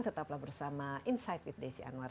tetaplah bersama insight with desi anwar